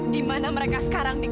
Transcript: dimana mereka sekarang dik